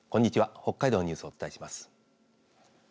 北海道のニュースをお伝えします。